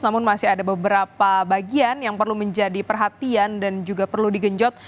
namun masih ada beberapa bagian yang perlu menjadi perhatian dan juga perlu digenjot